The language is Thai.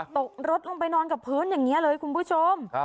ตกรถลงไปนอนกับพื้นอย่างนี้เลยคุณผู้ชม